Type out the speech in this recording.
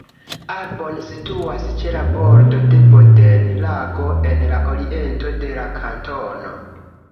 Arbon situas ĉe la bordo de Bodenlago en la oriento de la kantono.